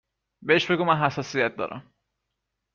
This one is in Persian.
بهش بگو من حساسیت دارم